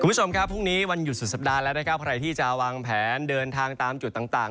คุณผู้ชมครับพรุ่งนี้วันหยุดสุดสัปดาห์แล้วนะครับใครที่จะวางแผนเดินทางตามจุดต่าง